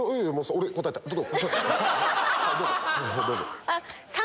俺答えたんでどうぞ。